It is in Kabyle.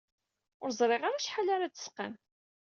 Ur ẓriɣ ara acḥal ara d-tesqam.